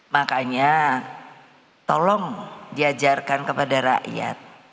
makanya tolong diajarkan kepada rakyat